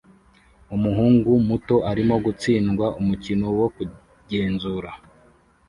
Umuhungu muto arimo gutsindwa umukino wo kugenzura